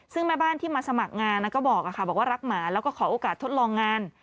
ซึ่งแม่บ้านที่มาสมัครงานก็บอกว่ารักหมาแล้วก็ขอโอกาสทดลองงาน